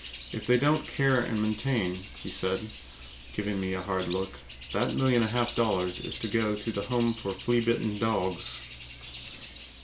If they don't care and maintain," he said, giving me a hard look, "that million and a half is to go to the Home for Flea Bitten Dogs."